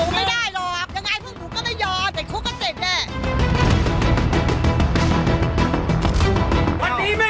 วันนี้ไม่มีหมากเวีย